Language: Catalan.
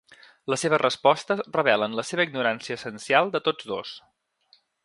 Les seves respostes revelen la seva ignorància essencial de tots dos.